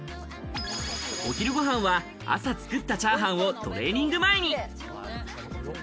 お昼ご飯は朝作ったチャーハンをトレーニング前に。